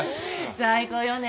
最高よね